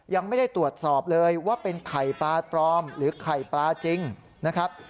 ยังไม่ได้ตรวจสอบเลยว่าเป็นไข่ปลาปลอมหรือไข่ปลาจริงนะครับ